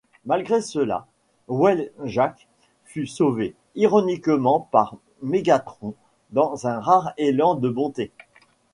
Malgré cela, Wheeljack fut sauvé, ironiquement par Mégatron dans un rare élan de bonté.